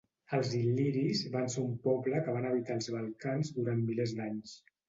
Els il·liris van ser un poble que va habitar els Balcans durant milers d'anys.